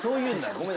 ごめん。